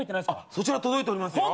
そちら届いておりますよ。